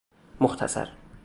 مختصر